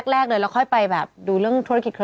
แรกเลยแล้วค่อยไปดูเรื่องธุรกิจเครือ